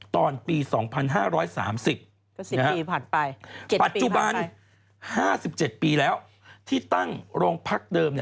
ตอนปี๒๕๓๐ปีผ่านไปปัจจุบัน๕๗ปีแล้วที่ตั้งโรงพักเดิม